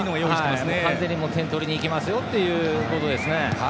点を取りにいきますよということですね。